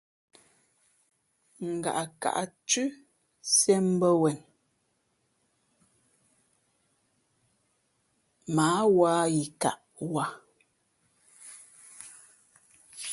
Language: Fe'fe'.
Ngaʼkaʼ thʉ̄ʼ siēʼ mbα̌ wen mα ǎ wa yi kaʼ wα.